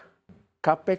bukan domainnya kpk